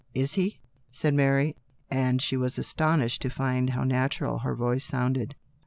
" Is he ?" said Mary, and she was astonished to find how natural her voice sounded.